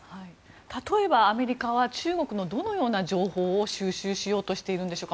例えばアメリカは中国のどのような情報を収集しようとしているんでしょうか。